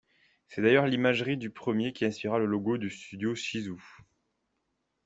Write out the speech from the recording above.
C'est d'ailleurs l'imagerie du premier qui inspirera le logo du studio Chizu.